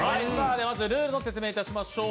ルールを説明いたしましょう。